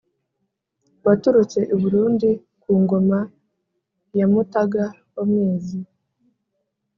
waturutse i burundi, ku ngoma ya mutaga wa mwezi.